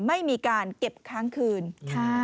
ไม่มีการเก็บค้างคืนค่ะ